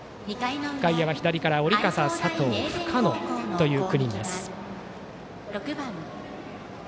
外野は左から織笠、深野、佐藤という９人です。